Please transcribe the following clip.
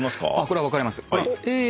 これは分かります。